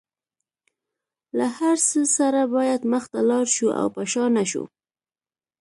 له هر څه سره باید مخ ته لاړ شو او په شا نشو.